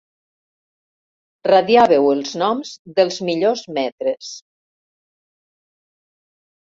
Radiàveu els noms dels millors maîtres.